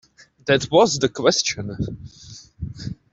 That was the question.